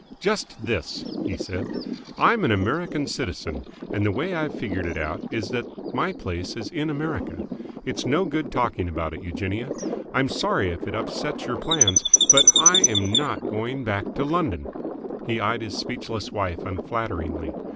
"Just this!" he said. "I'm an American citizen, and the way I've figured it out is that my place is in America. It's no good talking about it, Eugenia. I'm sorry if it upsets your plans, but I am not going back to London!" He eyed his speechless wife unflatteringly.